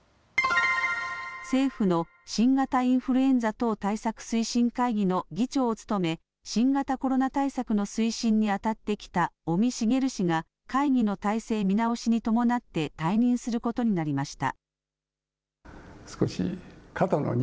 政府の新型インフルエンザ等対策推進会議の議長を務め新型コロナ対策の推進に当たってきた尾身茂氏が会議の体制見直しに伴って退任することになりました。